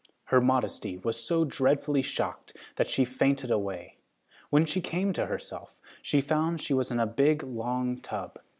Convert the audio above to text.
Her modesty was so dreadfully shocked that she fainted away. When she came to herself, she found she was in a big long tub.